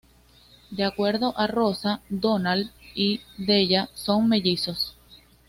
De acuerdo a Rosa, Donald y Della son mellizos.